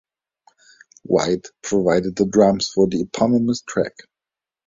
White provided the drums for the eponymous track.